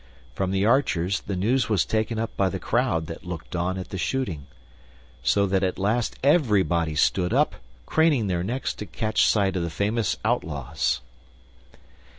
From the archers the news was taken up by the crowd that looked on at the shooting, so that at last everybody stood up, craning their necks to catch sight of the famous outlaws.